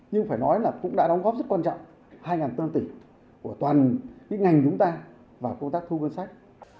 nhưng phải nói là cũng đã đóng góp rất quan trọng hai tỷ của toàn cái ngành chúng ta vào công tác thu ngân sách